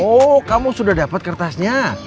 oh kamu sudah dapat kertasnya